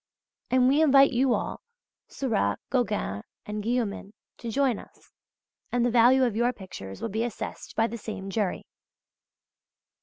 And we invite you all, Seurat, Gauguin and Guillaumin to join us, and the value of your pictures will be assessed by the same jury.